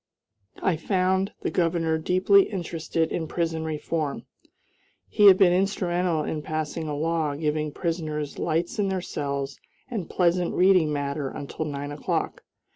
I found the Governor deeply interested in prison reform. He had been instrumental in passing a law giving prisoners lights in their cells and pleasant reading matter until nine o'clock.